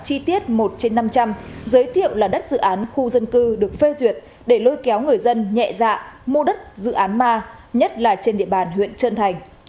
chi tiết một trên năm trăm linh giới thiệu là đất dự án khu dân cư được phê duyệt để lôi kéo người dân nhẹ dạ mua đất dự án ma nhất là trên địa bàn huyện trân thành